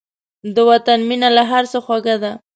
د وطن مینه له هر څه خوږه ده.